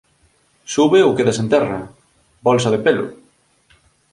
Sube ou quedas en terra, bolsa de pelo!